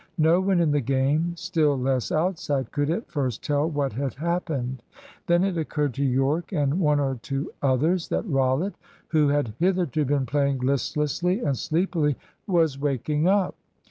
No one in the game, still less outside, could at first tell what had happened. Then it occurred to Yorke and one or two others that Rollitt, who had hitherto been playing listlessly and sleepily, was waking up.